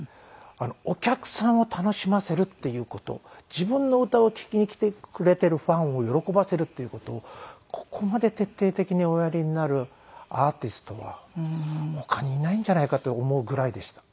お客さんを楽しませるっていう事自分の歌を聴きに来てくれているファンを喜ばせるっていう事をここまで徹底的におやりになるアーティストは他にいないんじゃないかって思うぐらいでした。